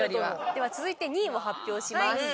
では続いて２位を発表します。